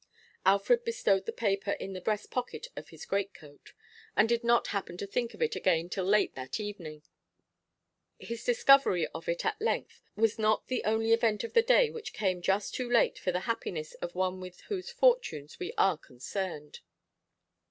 Alfred bestowed the paper in the breast pocket of his greatcoat, and did not happen to think of it again till late that evening. His discovery of it at length was not the only event of the day which came just too late for the happiness of one with whose fortunes we are concerned.